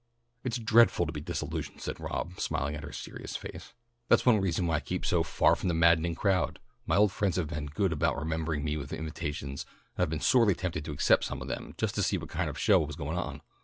"It's dreadful to be disillusioned," said Rob, smiling at her serious face. "That's one reason why I keep so 'far from the madding crowd.' My old friends have been good about remembering me with invitations and I've been sorely tempted to accept some of them just to see what kind of a show was going on.